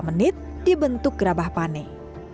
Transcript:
menit dibentuk gerabah panik